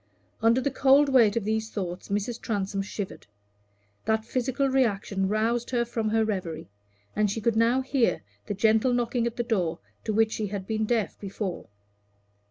Under the cold weight of these thoughts Mrs. Transome shivered. That physical reaction roused her from her reverie, and she could now hear the gentle knocking at the door to which she had been deaf before.